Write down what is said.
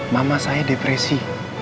mama saya depresi